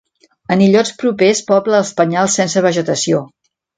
En illots propers pobla els penyals sense vegetació.